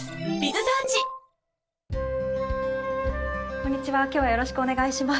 こんにちは今日はよろしくお願いします。